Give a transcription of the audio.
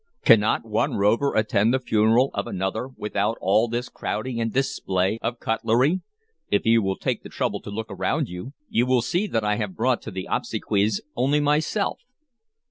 Cannot one rover attend the funeral of another without all this crowding and display of cutlery? If you will take the trouble to look around you, you will see that I have brought to the obsequies only myself."